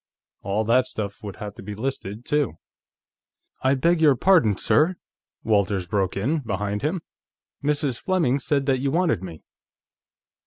All that stuff would have to be listed, too. "I beg your pardon, sir," Walters broke in, behind him. "Mrs. Fleming said that you wanted me."